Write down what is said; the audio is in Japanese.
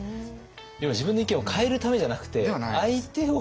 要は自分の意見を変えるためじゃなくて相手を。